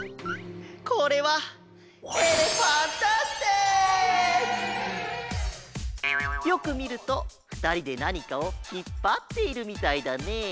これはよくみるとふたりでなにかをひっぱっているみたいだねえ。